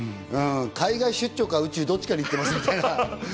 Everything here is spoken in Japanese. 海外出張か宇宙、どっちかに行ってます、みたいな。